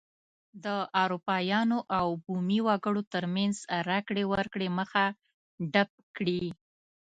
د اروپایانو او بومي وګړو ترمنځ راکړې ورکړې مخه ډپ کړي.